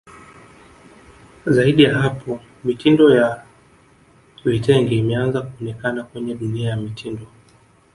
Zaidi ya hapo mitindo ya vitenge imeanze kuonekana kwenye dunia ya mitindo